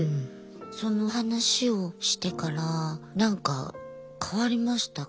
その話をしてから何か変わりました？